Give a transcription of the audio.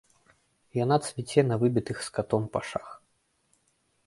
Яна цвіце на выбітых скатом пашах.